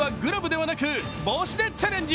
こちらの男性はグラブではなく帽子でチャレンジ。